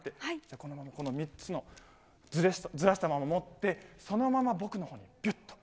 このままこの３つの、ずらしたまま持って、そのまま僕のほうに、びゅっと。